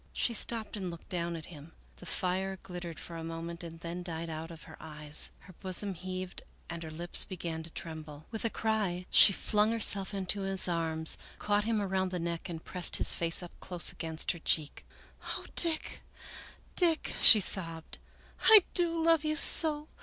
She stopped and looked down at him. The fire glittered for a moment and then died out of her eyes, her bosom heaved and her lips began to tremble. 82 Melville Davisson Post With a cry she flung herself into his arms, caught him around the neck, and pressed his face up close against her cheek. " Oh ! Dick, Dick," she sobbed, " I do love you so